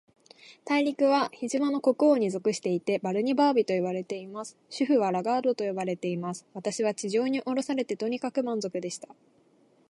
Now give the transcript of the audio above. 大陸は、飛島の国王に属していて、バルニバービといわれています。首府はラガードと呼ばれています。私は地上におろされて、とにかく満足でした。